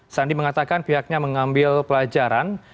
sandi mengatakan pihaknya mengambil pelajaran